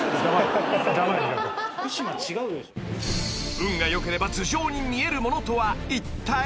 ［運が良ければ頭上に見えるものとはいったい？］